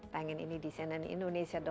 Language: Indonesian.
tayangan ini di cnn indonesia